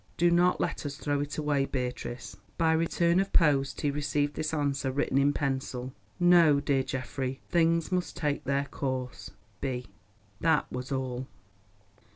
Do not let us throw it away, Beatrice." By return of post he received this answer written in pencil. "No, dear Geoffrey. Things must take their course.—B." That was all.